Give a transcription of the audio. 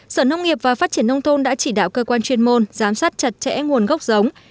sở nông nghiệp và phát triển nông thôn đã chỉ đạo cơ quan chuyên môn giám sát chặt chẽ nguồn gốc giống